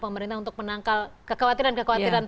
pemerintah untuk menangkal kekhawatiran kekhawatiran